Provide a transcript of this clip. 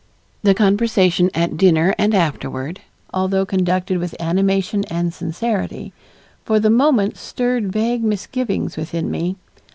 The conversation at dinner and afterward, although conducted with animation and sincerity, for the moment stirred vague misgivings within me.